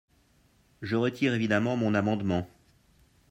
Je retire évidemment mon amendement.